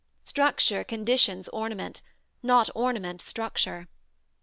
Structure conditions ornament, not ornament structure.